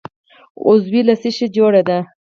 عضوې له څه شي جوړې دي؟